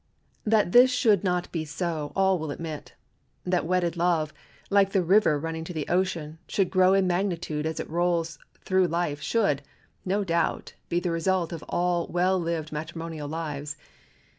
That this should not be so all will admit; that wedded love, like the river running to the ocean, should grow in magnitude as it rolls through life should, no doubt, be the result of all well lived matrimonial lives.